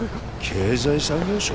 経済産業省？